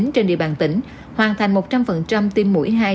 trên địa bàn tỉnh hoàn thành một trăm linh tiêm mũi hai